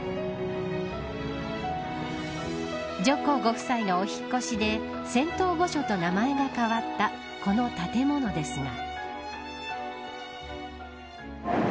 上皇ご夫妻のお引っ越しで仙洞御所と名前が変わったこの建物ですが。